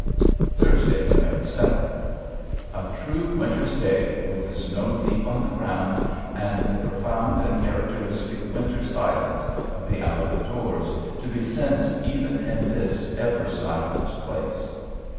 Thursday, November seventh. A true winter's day with the snow deep on the ground and the profound and characteristic winter silence of the out of doors to be sensed even in this ever silent place.